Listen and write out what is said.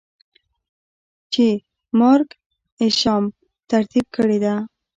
چې Mark Isham ترتيب کړې ده.